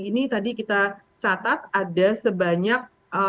ini tadi kita catat ada sebanyak